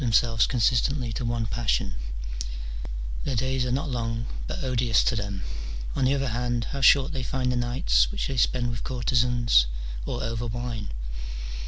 313 themselves consistently to one passion : their days are not long, but odious to them : on the other hand, how short they find the nights which they spend with courtezans or over wine